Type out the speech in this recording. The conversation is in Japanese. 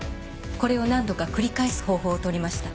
これを何度か繰り返す方法をとりました。